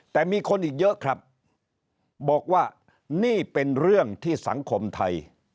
แต่มีคนอีกเยอะครับบอกว่านี่เป็นเรื่องที่สังคมไทย